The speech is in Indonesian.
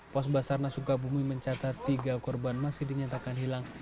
pos basarnas sukabumi mencatat tiga korban masih dinyatakan hilang